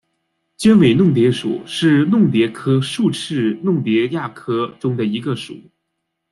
尖尾弄蝶属是弄蝶科竖翅弄蝶亚科中的一个属。